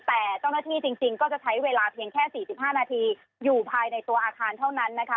แต่เจ้าหน้าที่จริงก็จะใช้เวลาเพียงแค่๔๕นาทีอยู่ภายในตัวอาคารเท่านั้นนะคะ